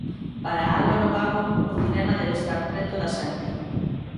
Para Álvaro Gago, o cinema debe estar preto da xente.